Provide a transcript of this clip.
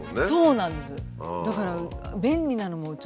そうなんです。